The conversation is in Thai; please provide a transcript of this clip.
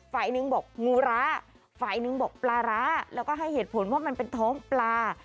ฝ่ายหนึ่งบอกงูร้าฝ่ายหนึ่งบอกปลาร้าแล้วก็ให้เหตุผลว่ามันเป็นท้องปลา